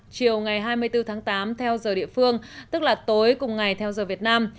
chiều ngày hai mươi bốn tháng tám theo giờ địa phương tức là tối cùng ngày theo giờ việt nam